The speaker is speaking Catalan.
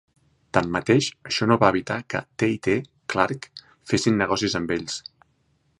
Tanmateix, això no va evitar que T i T Clark fessin negocis amb ells.